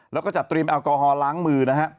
แล้วก็จัดเตรียมแอลกอฮอลล้างมือนะฮะ